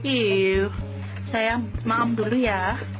iyuh sayang maaf dulu ya